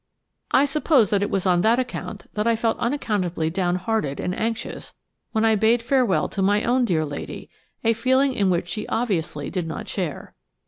I suppose that it was on that account that I felt unaccountably down hearted and anxious when I bade farewell to my own dear lady–a feeling in which she obviously did not share.